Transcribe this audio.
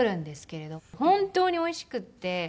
本当においしくて。